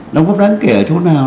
đóng góp đáng kể ở chỗ nào